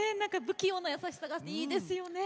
不器用な優しさがいいですよね。